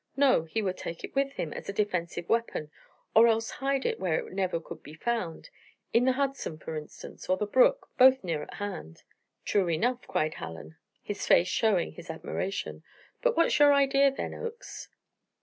No, he would take it with him as a defensive weapon, or else hide it where it never could be found; in the Hudson, for instance, or the brook both near at hand." "True enough," cried Hallen, his face showing his admiration; "but what's your idea, then, Oakes?"